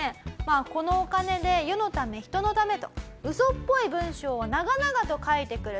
「このお金で世のため人のため」と嘘っぽい文章を長々と書いてくるタイプ。